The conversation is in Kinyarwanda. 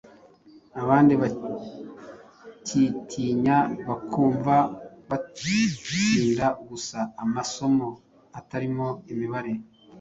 Abandi bakitinya bakumva batsinda gusa amasomo atarimo imibare.